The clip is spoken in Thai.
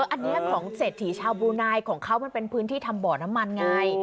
อันนี้ของเศรษฐีชาวบลูนายของเขามันเป็นพื้นที่ทำบ่อน้ำมันไง